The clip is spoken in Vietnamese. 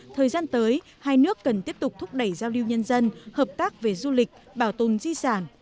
thời gian tới hai nước cần tiếp tục thúc đẩy giao lưu nhân dân hợp tác về du lịch bảo tồn di sản